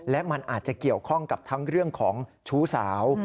และมันอาจจะเกี่ยวข้องกับทั้งเรื่องของชู้สาว